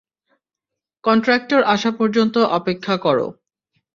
Contractor আসা পর্যন্ত অপেক্ষা কর।